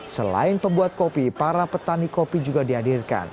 selain pembuat kopi para petani kopi juga dihadirkan